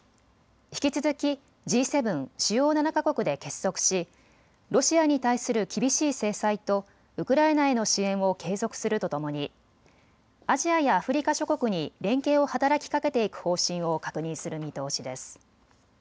引き続きＧ７・主要７か国で結束しロシアに対する厳しい制裁とウクライナへの支援を継続するとともにアジアやアフリカ諸国に連携を働きかけていく方針を確認する見通しです。